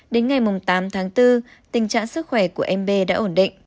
đến ngày tám tháng bốn tình trạng sức khỏe của em b đã ổn định